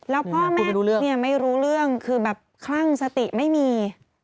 แล้วพ่อแม่พ่อไม่รู้เรื่องคือแบบครั่งสติไม่มี